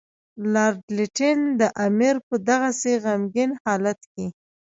لارډ لیټن د امیر په دغسې غمګین حالت کې.